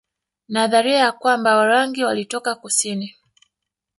Nadharia ya kwamba Warangi walitoka kusini